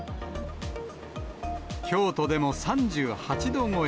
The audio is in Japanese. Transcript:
京都でも３８度超え。